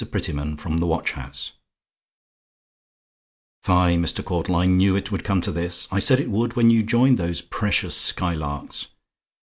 PRETTYMAN FROM THE WATCH HOUSE "Fie, Mr. Caudle, I knew it would come to this. I said it would, when you joined those precious Skylarks.